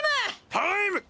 タイム！